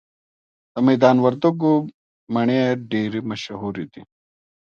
د میدان وردګو مڼې ډیرې مشهورې دي